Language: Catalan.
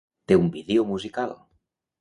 Té un vídeo musical.